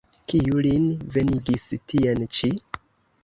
Kiu lin venigis tien ĉi?